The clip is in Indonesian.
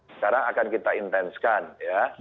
sekarang akan kita intenskan ya